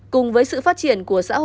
cùng với sự phát triển